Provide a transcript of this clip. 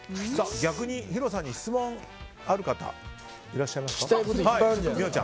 逆にヒロさんに質問ある方いらっしゃいますか？